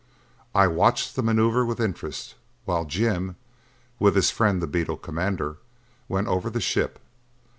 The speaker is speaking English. I watched the maneuver with interest while Jim, with his friend the beetle commander, went over the ship.